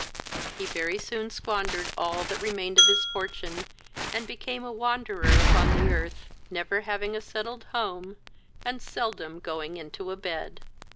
He very soon squandered all that remained of his fortune, and became a wanderer upon the earth, never having a settled home, and seldom going into a bed.